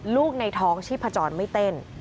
ลูกในท้องชีพจรไม่เต้น